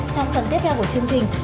trong phần tiếp theo của chương trình